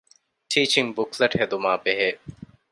ޓީޗިންގ ބުކްލެޓް ހެދުމާބެހޭ